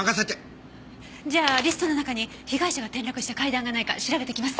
じゃあリストの中に被害者が転落した階段がないか調べてきます。